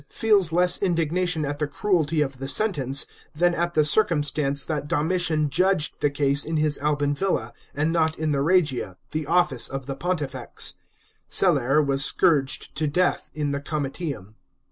XXL feels less indignation at the cruelty of the sentence, than at the circumstance that Domitian judged the case in his Alban villa, and not in the Regia, the office of the Pontifex.* Celer was scourged to death in the Comitium.